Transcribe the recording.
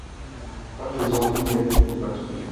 Parlez-en vous-même au patron.